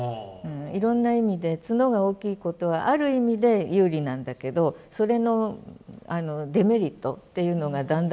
いろんな意味で角が大きいことはある意味で有利なんだけどそれのデメリットっていうのがだんだん大きくなってくる。